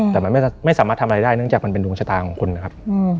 แต่มันไม่สามารถทำอะไรได้เนื่องจากมันเป็นดวงชะตาของคุณนะครับ